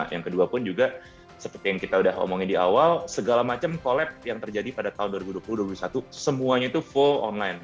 yang kedua pun juga seperti yang kita udah omongin di awal segala macam collab yang terjadi pada tahun dua ribu dua puluh dua ribu satu semuanya itu full online